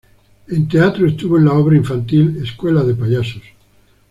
En teatro estuvo en la obra infantil "Escuela de payasos".